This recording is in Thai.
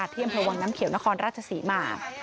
ที่อำเภอวังน้ำเขียวนครราชศรีมา